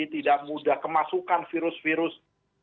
tidak mudah kemasukan virus virus